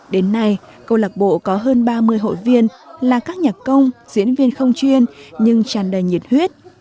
đến nay câu lạc bộ có hơn ba mươi hội viên là các nhạc công diễn viên không chuyên nhưng tràn đầy nhiệt huyết